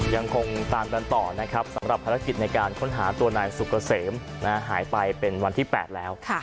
ยังคงตามกันต่อนะครับสำหรับภารกิจในการค้นหาตัวนายสุกเกษมหายไปเป็นวันที่๘แล้ว